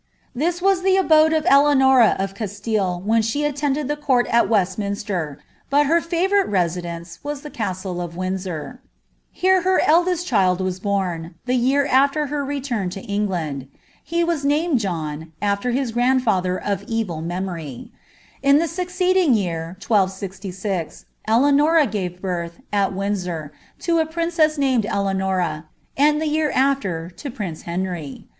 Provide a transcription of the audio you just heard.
Thii wm Uo abode of Eleanoia of Casiillu when she attended the court at WasDU* *>er, but her lavourite reeideuce was the casllo of Windsor. Uen h* eldest child wns horn, the year after her return to England ; be «■ luuiied John, after hia grandfethcr of evil meniorj . Iii ihe «acceedfal( year, li^Ctf, Eleanon gave birth, at Windsor, Iu a princess naned Ql^ nora, and the year after lo prince Henry.